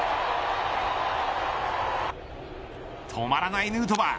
止まらないヌートバー。